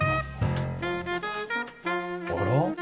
あら？